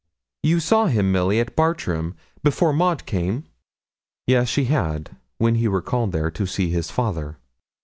You saw him, Milly, at Bartram, before Maud came?' Yes, she had, when he called there to see her father.